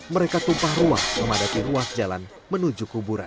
mereka tumpah ruang memadati ruang jalan menuju kuburan